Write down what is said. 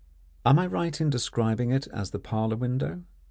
Am I right in describing it as the parlour window?